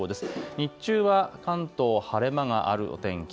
日中は関東晴れ間があるお天気。